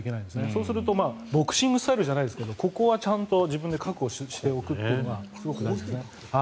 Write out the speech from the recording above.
そうすると、ボクシングスタイルじゃないですけどここはちゃんと自分で確保しておくっていうのが。